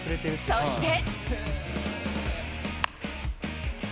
そして。